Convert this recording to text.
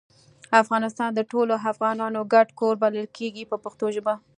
افغانستان د ټولو افغانانو ګډ کور بلل کیږي په پښتو ژبه.